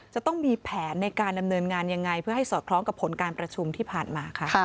จะต้องมีแผนในการดำเนินงานยังไงเพื่อให้สอดคล้องกับผลการประชุมที่ผ่านมาค่ะ